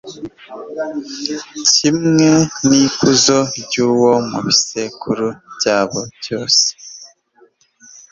kimwe n'ikuzo ryawo mu bisekuru byawo byose